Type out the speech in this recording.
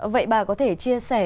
vậy bà có thể chia sẻ